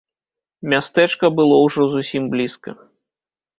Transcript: Мястэчка было ўжо зусім блізка.